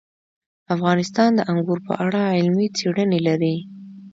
افغانستان د انګور په اړه علمي څېړنې لري.